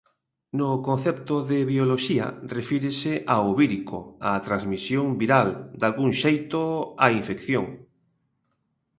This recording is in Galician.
No concepto de bioloxía refírese ao vírico, a transmisión viral, dalgún xeito, á infección.